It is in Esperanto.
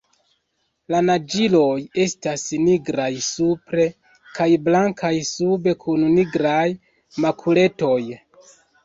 La naĝiloj estas nigraj supre kaj blankaj sube kun nigraj makuletoj.